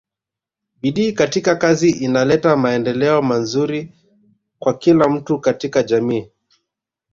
bidii katika kazi inaleta maendeleo manzuri kwa kila mtu katika jamii